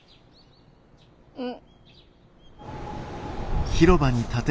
うん。